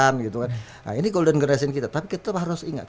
nah ini golden gerasen kita tapi kita harus ingat